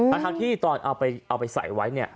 อาทางที่ตอนเอาไปใส่ไว้เนี่ย